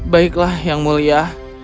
baiklah yang mulia